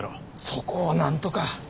そこをなんとか。